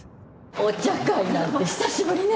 お茶会なんて久しぶりね。